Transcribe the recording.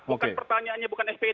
bukan pertanyaannya bukan spi